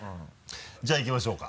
じゃあいきましょうか？